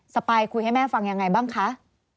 ปายคุยให้แม่ฟังยังไงบ้างคะ